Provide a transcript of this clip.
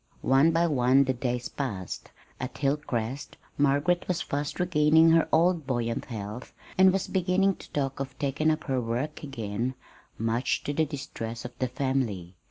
One by one the days passed. At Hilcrest Margaret was fast regaining her old buoyant health, and was beginning to talk of taking up her "work" again, much to the distress of the family.